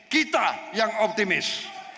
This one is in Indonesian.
kita yang optimis